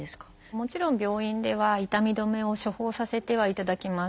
もちろん病院では痛み止めを処方させてはいただきます。